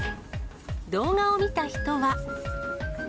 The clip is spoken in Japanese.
動画を見た人は。